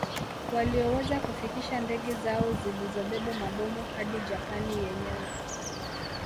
Walioweza kufikisha ndege zao zilizobeba mabomu hadi Japani yenyewe